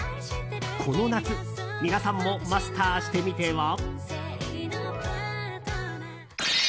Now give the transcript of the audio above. この夏、皆さんもマスターしてみては？